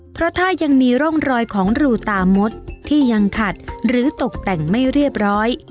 เพราะถ้ายังมีร่องรอยของรูตามดที่ยังขัดหรือตกแต่งไม่เรียบร้อย